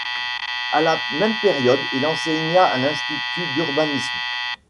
À la même période, il enseigna à l’Institut d’urbanisme.